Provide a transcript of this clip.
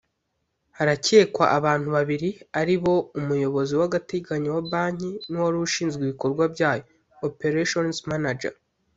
harakekwa abantu babiri ari bo umuyobozi w’agateganyo wa Banki n’uwari ushinzwe ibikorwa byayo (Operations Manager)